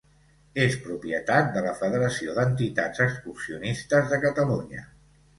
És propietat de la Federació d’Entitats Excursionistes de Catalunya.